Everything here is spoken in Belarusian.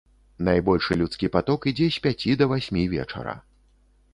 Найбольшы людскі паток ідзе з пяці да васьмі вечара.